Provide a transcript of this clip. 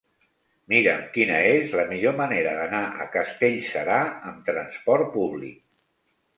Mira'm quina és la millor manera d'anar a Castellserà amb trasport públic.